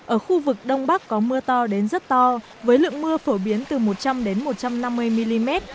ở khu vực đông bắc có mưa to đến rất to với lượng mưa phổ biến từ một trăm linh một trăm năm mươi mm